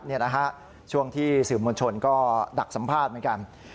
นี่นะฮะช่วงที่สื่อมวลชนก็ดักสัมภาษณ์เหมือนกัน